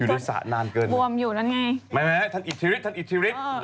บวมอยู่นั่นไง